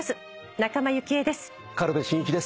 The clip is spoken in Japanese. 仲間由紀恵です。